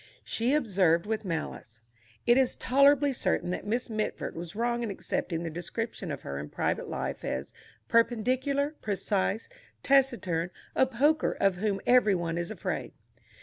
She observed with malice. It is tolerably certain that Miss Mitford was wrong in accepting the description of her in private life as "perpendicular, precise, taciturn, a poker of whom every one is afraid."